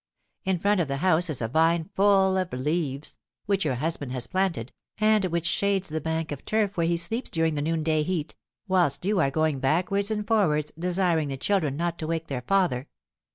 In front of the house is a vine full of leaves, which your husband has planted, and which shades the bank of turf where he sleeps during the noonday heat, whilst you are going backwards and forwards desiring the children not to wake their father.